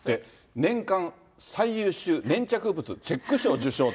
年間最優秀粘着物チェック賞受賞って。